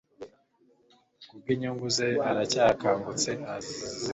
Kubwinyungu ze aracyakangutse arasinzira